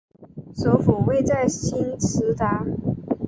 首府位在兴实达。